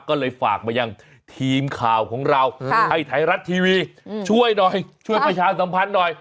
ก็เลยฝากมายังทีมข่าวของเราให้ไทยรัฐทีวีช่วยหน่อยช่วยประชาสัมพันธ์หน่อย